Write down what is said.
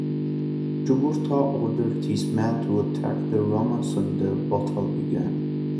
Jugurtha ordered his men to attack the Romans and the battle began.